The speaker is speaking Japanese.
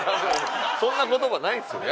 そんな言葉ないんですよ